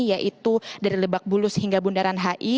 yaitu dari lebak bulus hingga bundaran hi